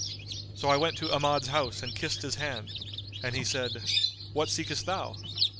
So I went to Ahmad's house and kissed his hand, and he said, What seekest thou?